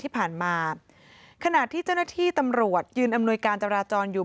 ที่ผ่านมาขณะที่เจ้าหน้าที่ตำรวจยืนอำนวยการจราจรอยู่